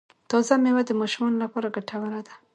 تازه میوه د ماشوم لپاره ګټوره ده۔